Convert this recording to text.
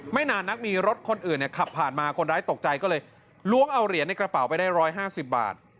นานนักมีรถคนอื่นขับผ่านมาคนร้ายตกใจก็เลยล้วงเอาเหรียญในกระเป๋าไปได้๑๕๐บาท